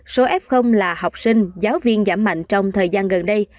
số f là học sinh giáo viên giảm mạnh trong thời gian gần đây